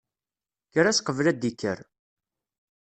Kker-as qebl ad d-ikker.